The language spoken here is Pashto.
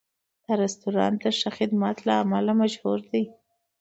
دا رستورانت د ښه خدمت له امله مشهور دی.